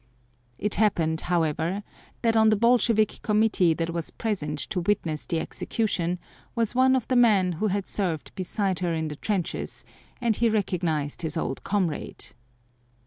It happened, however, that on the Bolshevik committee that was present to witness the execution was one of the men who had served beside her in the trenches, and he recognized his old comrade.